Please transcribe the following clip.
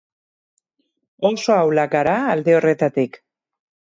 Oso ahulak gara alde horretatik.